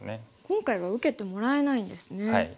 今回は受けてもらえないんですね。